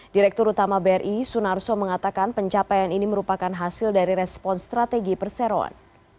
direktur utama bri sunarso mengatakan pencapaian ini merupakan hasil dari respon strategi perseroan